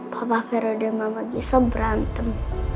bapak fero dan mama gise berantem